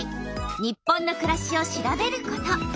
「日本のくらし」を調べること。